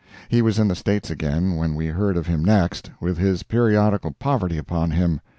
He was in the States again, when we heard of him next, with his periodical poverty upon him.